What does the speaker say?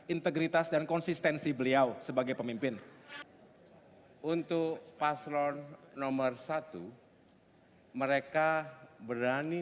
integritas dan konsistensi beliau sebagai pemimpin untuk paslon nomor satu mereka berani